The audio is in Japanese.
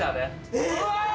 えっ！？